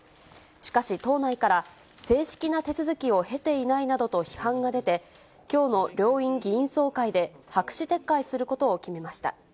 しかし、党内から、正式な手続きを経ていないなどと批判が出て、きょうの両院議員総会で、白紙撤回することを決めました。